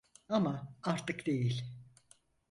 Ama artık değil.